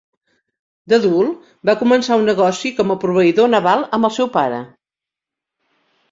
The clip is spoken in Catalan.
D'adult, va començar un negoci com a proveïdor naval amb el seu pare.